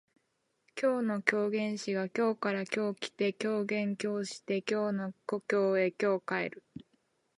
今日の狂言師が京から今日来て狂言今日して京の故郷へ今日帰る